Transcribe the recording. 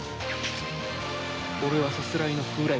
俺はさすらいの風来坊だ。